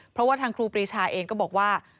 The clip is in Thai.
เพราะว่าทางครูปรีชาเองก็บอกว่า